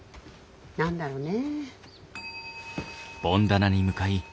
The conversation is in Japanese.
何だろうね。